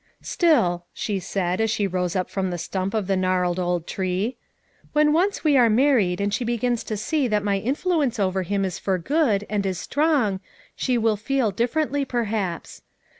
"Still," she said, as she rose up from the stump of the gnarled old tree, "when once we are married and she begins to see that my in fluence over him is for good and is strong, she will feel differently, perhaps.